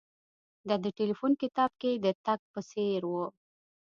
دا د ټیلیفون کتاب کې د تګ په څیر و